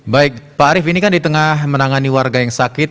baik pak arief ini kan di tengah menangani warga yang sakit